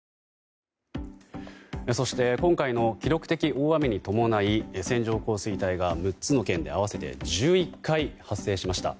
そして今回の記録的大雨に伴い線状降水帯が６つの県で合わせて１１回発生しました。